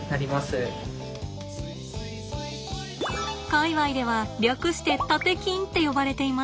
界わいでは略してタテキンって呼ばれています。